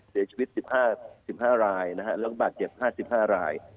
เสียชีวิต๑๕รายแล้วก็บาดเจ็บ๕๕ราย